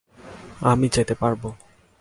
আমি যেতে পারব।